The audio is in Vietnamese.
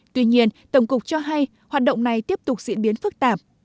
tuy nhiên tổng cục cho hay hoạt động này tiếp tục diễn biến phức tạp